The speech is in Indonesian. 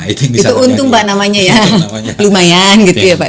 itu untung pak namanya ya lumayan gitu ya pak